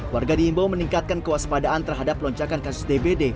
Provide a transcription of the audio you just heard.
warga diimbau meningkatkan kewaspadaan terhadap lonjakan kasus dbd